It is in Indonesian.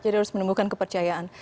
jadi harus menemukan kepercayaan